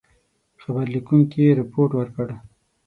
خبر لیکونکي رپوټ ورکړ.